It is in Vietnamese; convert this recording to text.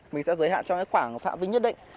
mình sẽ giới hạn cho cái khoảng phạm vinh nhất định